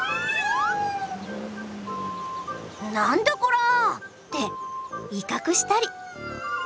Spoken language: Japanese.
「何だこら！」って威嚇したり。